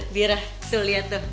biar lah tuh liat tuh